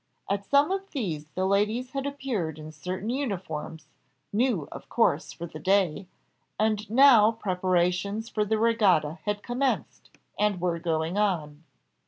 At some of these the ladies had appeared in certain uniforms, new, of course, for the day; and now preparations for the regatta had commenced, and were going on.